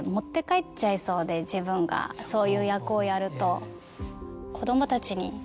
自分がそういう役をやると。